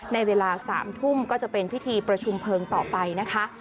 ในเวลา๓ทุ่มก็จะเป็นพิธีประชุมเพลิงต่อไปนะคะ